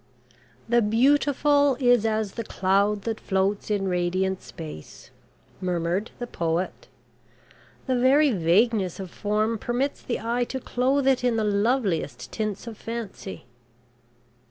"The beautiful is as the cloud that floats in radiant space," murmured the poet. "The very vagueness of form permits the eye to clothe it in the loveliest tints of Fancy."